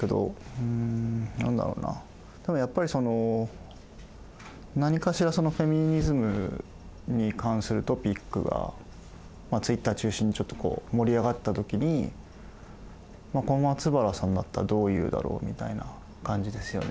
うん何だろうなただやっぱりその何かしらフェミニズムに関するトピックがＴｗｉｔｔｅｒ中心にちょっとこう盛り上がったときに小松原さんだったらどう言うだろう？みたいな感じですよね。